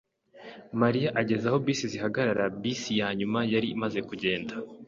Mariya ageze aho bisi zihagarara, bisi ya nyuma yari imaze kugenda.